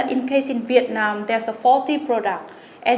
nghĩa là nếu như việt nam có một sản phẩm phá hủy